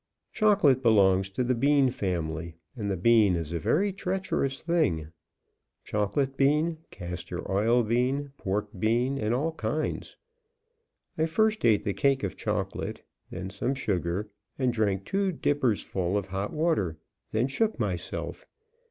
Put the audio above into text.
Chocolate belongs to the bean family, and the bean is a very treacherous thing chocolate bean, castor oil bean, pork bean, and all kinds. I first ate the cake of chocolate, then some sugar, and drank two dippersful of hot water, then shook myself.